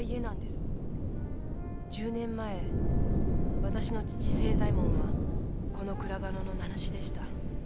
十年前私の父・清左衛門はこの倉賀野の名主でした。